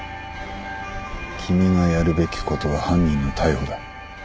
君がやるべきことは犯人の逮捕だ。